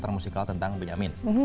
teater musikal tentang benyamin